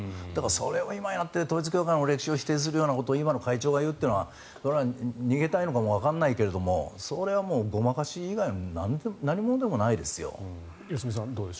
それを今やっている統一教会の歴史を否定するようなことを今の会長が言うというのは逃げたいのかわからないけどもそれはもうごまかし以外何ものでもないですよ。